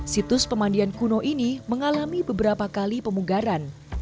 situs pemandian kuno ini mengalami beberapa kali pemugaran